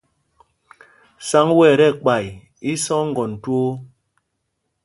Sǎŋg wɛ̄ ɛ tí ɛkpay, í í sá oŋgɔn twoo.